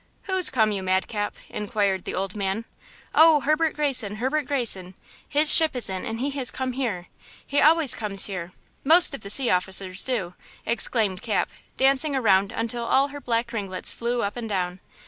"Whose come, you madcap?" inquired the old man. "Oh, Herbert Greyson! Herbert Greyson! His ship is in, and he has come here! He always comes here–most of the sea officers do," exclaimed Cap, dancing around until all her black ringlets flew up and down.